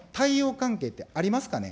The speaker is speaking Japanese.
関係ってありますかね。